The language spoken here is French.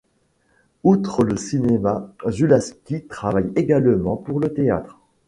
Outre le cinéma, Żuławski travaille également pour le théâtre.